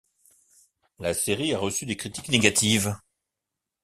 La série a reçu des critiques négatives.